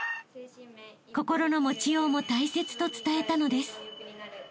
［心の持ちようも大切と伝えたのです］